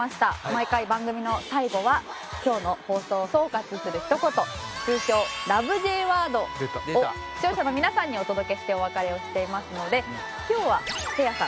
毎回番組の最後は今日の放送を総括するひと言通称「ラブ！！Ｊワード」を視聴者の皆さんにお届けしてお別れをしていますので今日はせいやさんお願いします。